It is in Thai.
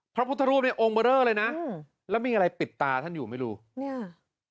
พระพุทธรูปในองค์เบอร์เลอร์เลยนะอืมแล้วมีอะไรปิดตาท่านอยู่ไม่รู้เนี่ย